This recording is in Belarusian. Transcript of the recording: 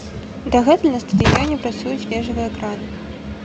Дагэтуль на стадыёне працуюць вежавыя краны.